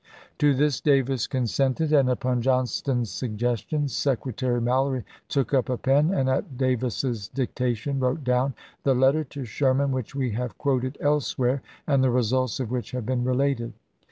To this Davis consented, and, upon Johnston's suggestion, Secretary Mallory took up a pen and, at Davis's dictation, wrote down the letter to Sherman which we have quoted elsewhere, and the results of which have been related.